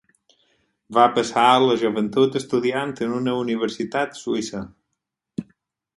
Va passar la joventut estudiant en una universitat suïssa.